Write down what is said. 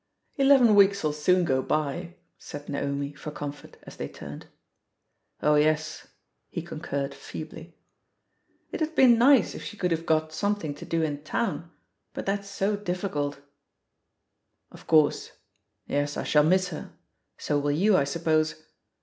"Eleven weeks'U soon go by," said Naomi for comfort, as they turned. "Oh yes," he concinred feebly. "It'd have been nice if she could have got something to do in town. But that's so difficult." THE POSITION OF PEGGY HARPER 97 "Of course. Yes, I shall miss her. So will you, I suppose?